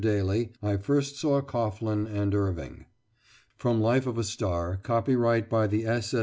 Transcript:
DALY I FIRST SAW COGHLAN AND IRVING [From "Life of a Star" copyright by the S. S.